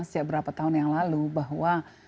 sejak berapa tahun yang lalu bahwa